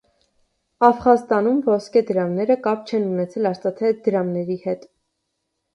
Աֆղանստանում ոսկե դրամները կապ չեն ունեցել արծաթե դրամների հետ։